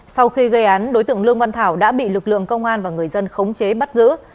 sau khi gây án đối tượng lương văn thảo đã bị lực lượng công an và người dân khống chế bắt giữ